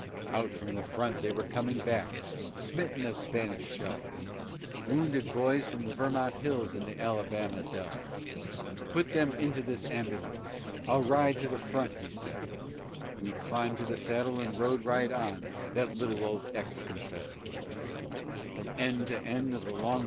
Out from the front they were coming back, smitten of Spanish shells Wounded boys from the Vermont hills and the Alabama dells; "Put them into this ambulance; I'll ride to the front," he said, And he climbed to the saddle and rode right on, that little old ex Confed.